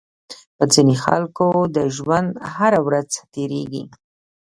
په ځينې خلکو د ژوند هره ورځ تېرېږي.